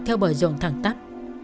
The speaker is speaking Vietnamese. theo bờ rộng thẳng tắt